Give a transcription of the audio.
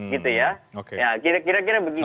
gitu ya kira kira begitu